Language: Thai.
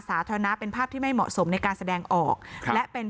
สาธารณะเป็นภาพที่ไม่เหมาะสมในการแสดงออกและเป็น